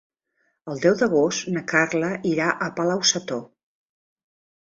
El deu d'agost na Carla irà a Palau-sator.